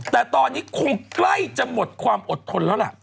แต่ตอนนี้คงใกล้จะหมดความอดทนแล้วล่ะ